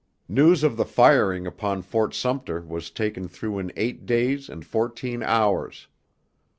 News of the firing upon Fort Sumter was taken through in eight days and fourteen hours.